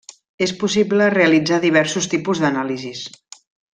És possible realitzar diversos tipus d'anàlisis.